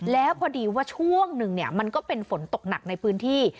แล้วพอดีว่าช่วงหนึ่งมันก็เป็นฝนตกหนักในพื้นที่